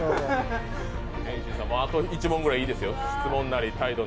天心さん、あと１問ぐらいいいですよ。